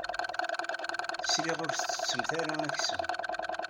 Sliɣ ur tettettemt ara aksum.